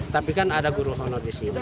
tapi kan ada guru hono di sini